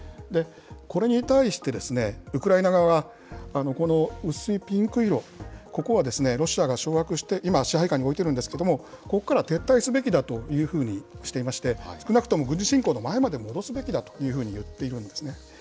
これに対して、ウクライナ側は、この薄いピンク色、ここはロシアが掌握して、今、支配下に置いているんですけれども、ここから撤退すべきだというふうにしていまして、少なくとも軍事侵攻の前までに戻すべきだというふうに言っているんですね。